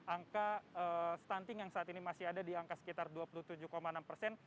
angka stunting yang saat ini masih ada di angka sekitar dua puluh tujuh enam persen